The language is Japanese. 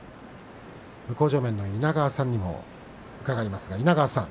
向正面の稲川さんにも伺います。